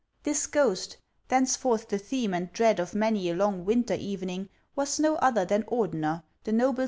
This ghost, thenceforth the theme and dread of many a long winter evening, was no other than Ordener, the noble HANS OF ICELAND.